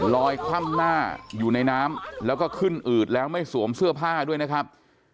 คว่ำหน้าอยู่ในน้ำแล้วก็ขึ้นอืดแล้วไม่สวมเสื้อผ้าด้วยนะครับ